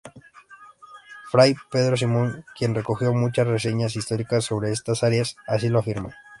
Fray Pedro Simón quien recogió muchas reseñas históricas sobre estas áreas, así lo afirma.